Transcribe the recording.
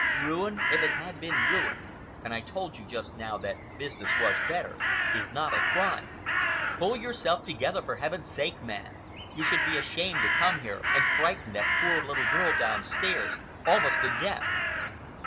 Ruin, even if it had been ruin,—and I told you just now that business was better,—is not a crime. Pull yourself together, for Heaven's sake, man! You should be ashamed to come here and frighten that poor little girl downstairs almost to death."